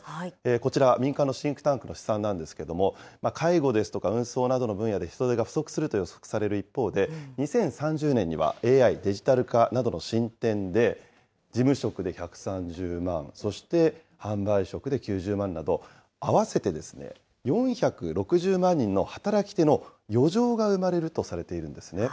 こちら、民間のシンクタンクの試算なんですけれども、介護ですとか、運送などの分野で人手が不足すると予測される一方で、２０３０年にはＡＩ・デジタル化などの進展で、事務職で１３０万、そして販売職で９０万など、合わせて４６０万人の働き手の余剰が生まれるとされているんです